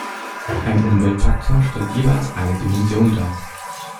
Ein Umweltfaktor stellt jeweils eine Dimension dar.